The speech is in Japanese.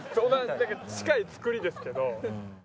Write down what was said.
だけど近い造りですけど。